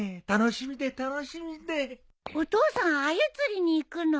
お父さんアユ釣りに行くの？